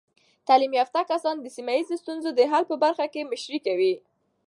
تعلیم یافته کسان د سیمه ایزې ستونزو د حل په برخه کې مشري کوي.